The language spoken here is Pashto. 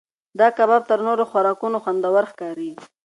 دا کباب تر نورو خوراکونو خوندور ښکاري.